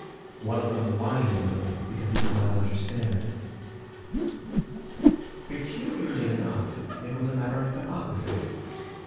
One of them whined a little because he did not understand. Peculiarly enough, it was a matter of topography.